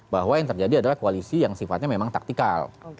bahwa yang terjadi adalah koalisi yang sifatnya memang taktikal